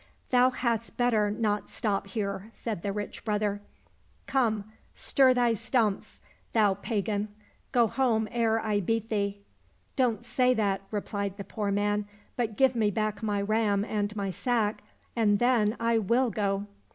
—" Thou hadst better not stop here," said the rich brother ;" come, stir thy stumps, thou pagan ! Go home ere I beat thee !"—" Don't say that," repUed the poor man, " but give me back my ram and my sack, and then I will go."